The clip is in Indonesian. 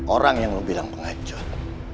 orang yang kau sebut pengajut